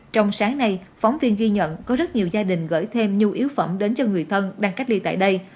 trong sáng nay phóng viên ghi nhận có rất nhiều gia đình gửi thêm nhu yếu phẩm đến cho người thân đang cách ly tại đây